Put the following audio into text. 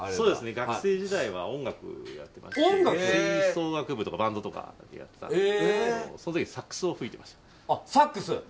学生時代は音楽をやってまして吹奏楽部とかバンドとかやってたんですけどそのときにサックスを吹いてましたサックス！